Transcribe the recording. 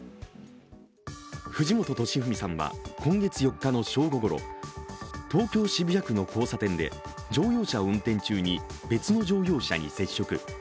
藤本敏史さんは今月４日の正午ごろ、東京・渋谷区の交差点で乗用車を運転中に別の乗用車に接触。